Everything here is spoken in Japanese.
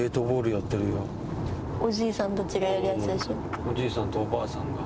おじいさんとおばあさんが。